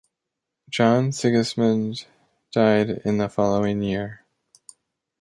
John Sigismund died in the following year.